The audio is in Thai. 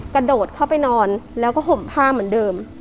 กระโดดเข้าไปนอนแล้วก็ห่มผ้าเหมือนเดิม